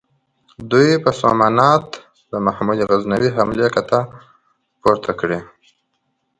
دوی په سومنات د محمود غزنوي حملې کته پورته کړې.